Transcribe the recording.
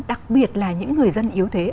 đặc biệt là những người dân yếu thế